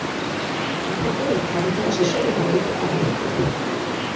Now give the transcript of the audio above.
এখন এই ধাঁধা খেলা শেষ করে আমাকে একটু একা থাকতে দাও।